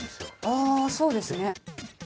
ああそうですね。